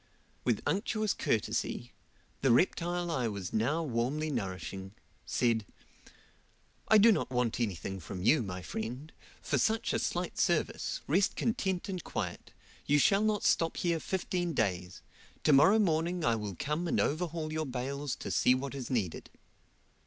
With unctuous courtesy, the reptile I was now warmly nourishing; said, "I do not want anything from you, my friend, for such a slight service, rest content and quiet; you shall not stop here fifteen days. To morrow morning I will come and overhaul your bales to see what is needed."